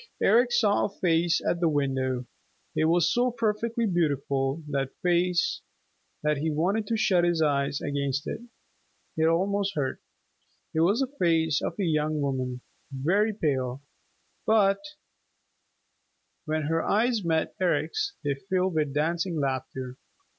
Eric saw a face at the window. It was so perfectly beautiful, that face, that he wanted to shut his eyes against it. It almost hurt. It was the face of a young woman, very pale, but when her eyes met Eric's they filled with dancing laughter.